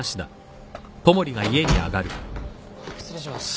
失礼します。